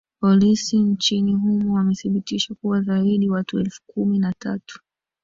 olisi nchini humo wamethibitisha kuwa zaidi watu elfu kumi na tatu